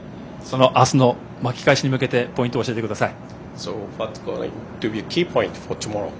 あすの巻き返しに向けてポイントを教えてください。